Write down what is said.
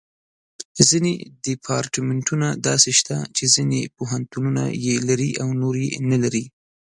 ځینې ډیپارټمنټونه داسې شته چې ځینې پوهنتونونه یې لري او نور یې نه لري.